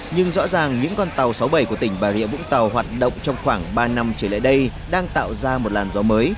nhưng rõ ràng những con tàu sáu mươi bảy của tỉnh bà rịa vũng tàu hoạt động trong khoảng ba năm trở lại đây đang tạo ra một làn gió mới